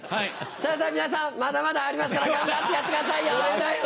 さぁさぁ皆さんまだまだありますから頑張ってやってくださいよ。